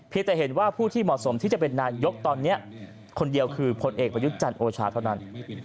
แต่เห็นว่าผู้ที่เหมาะสมที่จะเป็นนายกตอนนี้คนเดียวคือพลเอกประยุทธ์จันทร์โอชาเท่านั้น